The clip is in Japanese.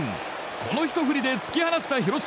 このひと振りで突き放した広島。